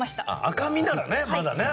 赤身ならまだね。